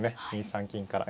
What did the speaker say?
２三金から。